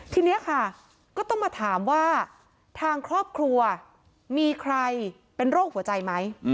ทีนี้ค่ะก็ต้องมาถามว่าทางครอบครัวมีใครเป็นโรคหัวใจไหม